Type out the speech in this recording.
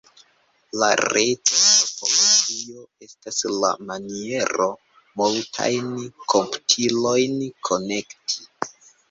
La reta topologio estas la maniero, multajn komputilojn konekti.